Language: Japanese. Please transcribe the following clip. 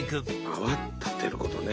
泡立てることね。